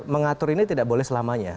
mengatur ini tidak boleh selamanya